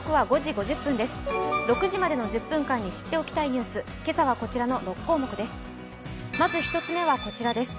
６時までの１０分間に知っておきたいニュース、今朝はこちらの６項目です。